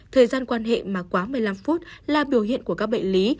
thời gian quan hệ mà quá một mươi năm phút là biểu hiện của các bệnh lý